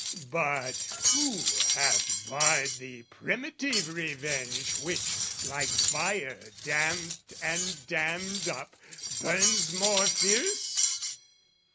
"But who hath barred thee primitive revenge, "Which, like fire damped and dammed up, burns more fierce?